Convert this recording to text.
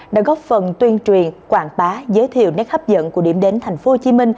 đã góp phần tuyên truyền quảng bá giới thiệu nét hấp dẫn của điểm đến tp hcm